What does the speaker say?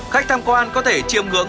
khách tham quan có thể chiêm ngưỡng